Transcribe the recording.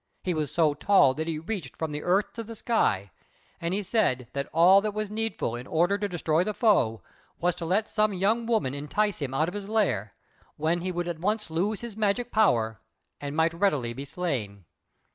He was so tall that he reached from the earth to the sky, and he said that all that was needful in order to destroy the foe was to let some young woman entice him out of his lair, when he would at once lose his magic power and might readily be slain.